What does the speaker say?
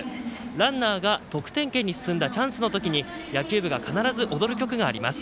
ランナーが、得点圏に進んだチャンスのときに、野球部必ず踊る曲があります。